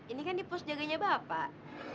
ini kan di pos jaganya bapak